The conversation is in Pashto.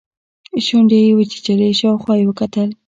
شونډې يې وچيچلې شاوخوا يې وکتل.